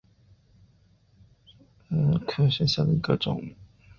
川滇槲蕨为槲蕨科槲蕨属下的一个种。